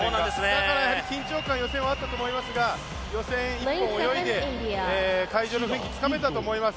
だから緊張感が予選はあったと思うんですが予選、１本泳いで会場の雰囲気つかめたと思います。